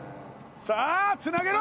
さあつなげろ！